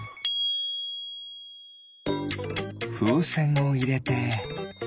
ふうせんをいれて。